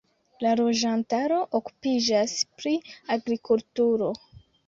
La loĝantaro okupiĝas pri agrikulturo.